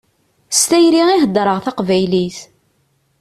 S tayri i heddṛeɣ taqbaylit.